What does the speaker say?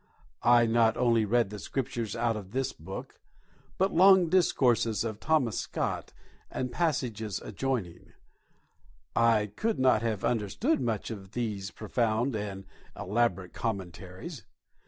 I not only read the Scriptures out of this book, but long discourses of Thomas Scott, and passages adjoining. I could not have understood much of these profound and elaborate commentaries.